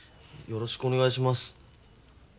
よろしくお願いします。